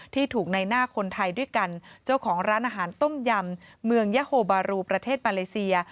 ที่ถูกในหน้าคนไทยด้วยกันเจ้าของร้านอาหารต้มยำเมืองยาโฮบารูประเทศมาเลเซีย